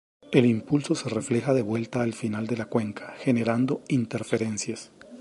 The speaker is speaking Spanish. El impulso se refleja de vuelta al final de la cuenca, generando interferencias.